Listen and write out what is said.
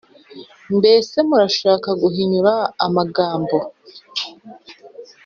mbese murashaka guhinyura amagambo,